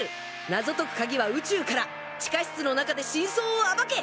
謎解くカギは宇宙から地下室の中で真相を暴け！